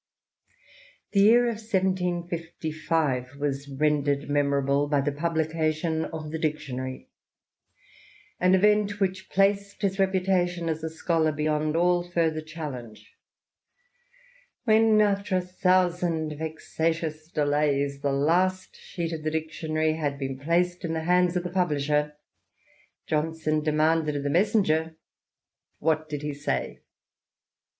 The year 1755 was rendered memorable by the publica tion of the Dictionary — an event which placed his reputation as a scholar beyond all further challenge* When, after a thousand vexatious delays, the last sheet of the Dictionary had been placed in the hands of the publisher, Johnson demanded of the messenger, " What did he say